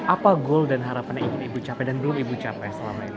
apa goal dan harapan yang ingin ibu capai dan belum ibu capai selama ini